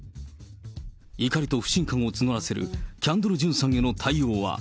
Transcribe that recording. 怒りと不信感を募らせるキャンドル・ジュンさんへの対応は。